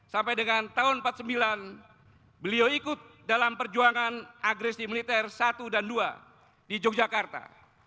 sampai dengan tahun seribu sembilan ratus empat puluh sembilan beliau ikut dalam perjuangan agresi militer satu dan dua di yogyakarta